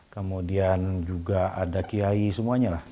kemudian juga ada kiai semuanya lah